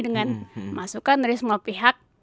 dengan masukan dari semua pihak